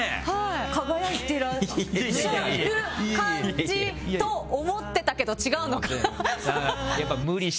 輝いていらっしゃる感じと思ってたけど違うのかな。